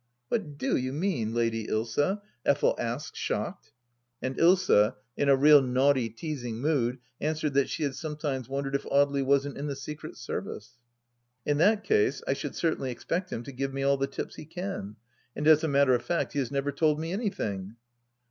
.,."" What do you mean. Lady Ilsa ?" Effel asked, shocked. And Ilsa, in a real naughty, teasing mood, answered that she had sometimes wondered if Audely wasn't in the Secret Service ! I said, " In that case I should certainly expect him to give me all the tips he can. And as a matter of fact he has never told me anything."